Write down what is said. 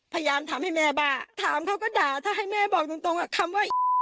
พยายามทำให้แม่บ้า